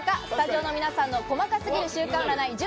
スタジオの皆さんの細かすぎる週間占い